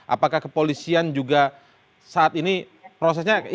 apakah kepolisian juga saat ini prosesnya